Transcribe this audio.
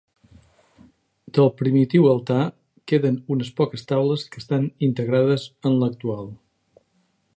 Del primitiu altar queden unes poques taules que estan integrades en l'actual.